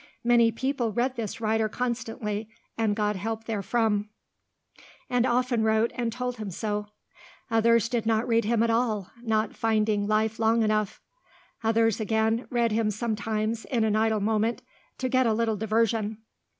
Many people read this writer constantly, and got help therefrom, and often wrote and told him so; others did not read him at all, not finding life long enough; others, again, read him sometimes in an idle moment, to get a little diversion.